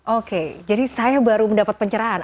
oke jadi saya baru mendapat pencerahan